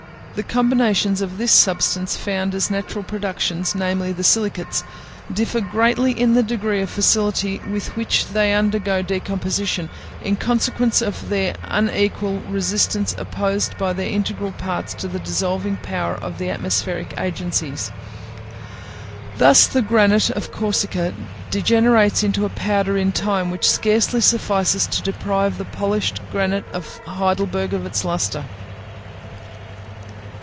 The combinations of this substance found as natural productions, namely, the silicates, differ greatly in the degree of facility with which they undergo decomposition, in consequence of the unequal resistance opposed by their integral parts to the dissolving power of the atmospheric agencies. Thus the granite of Corsica degenerates into a powder in a time which scarcely suffices to deprive the polished granite of Heidelberg of its lustre.